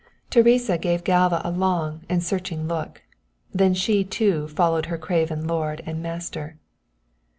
Teresa gave Galva a long and searching look, then she too followed her craven lord and master.